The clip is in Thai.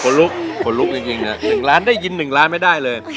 คนลุกคนลุกจริงหนึ่งล้านได้ยินหนึ่งล้านไม่ได้เลย